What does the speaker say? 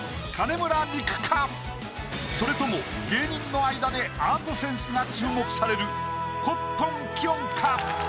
それとも芸人の間でアートセンスが注目される「コットン」きょんか？